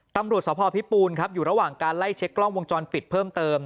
ตำรวจสพพิปูนครับอยู่ระหว่างการไล่เช็คกล้องวงจรปิดเพิ่มเติม